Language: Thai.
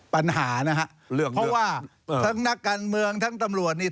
ปัญหานะฮะเพราะว่าทั้งนักการเมืองทั้งตำรวจนี่